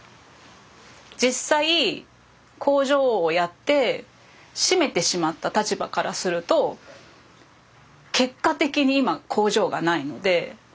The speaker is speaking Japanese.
実際工場をやって閉めてしまった立場からすると結果的に今工場がないので。